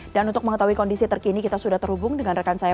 dan untuk mengetahui kondisi terkini kita sudah terhubung dengan rekan saya